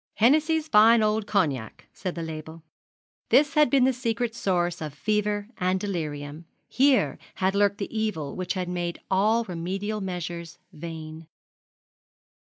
'Hennessy's Fine Old Cognac,' said the label. This had been the secret source of fever and delirium here had lurked the evil which had made all remedial measures vain.